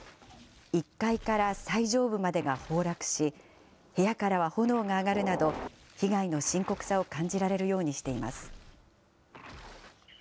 １階から最上部までが崩落し部屋からは炎が上がるなど被害の深刻さを感じられるようにしています。